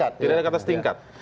tidak ada kata setingkat